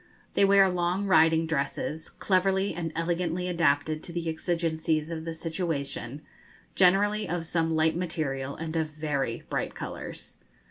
They wear long riding dresses, cleverly and elegantly adapted to the exigencies of the situation, generally of some light material, and of very bright colours.